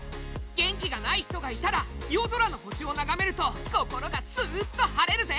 元気がない人がいたら夜空の星を眺めると心がスーッと晴れるぜ！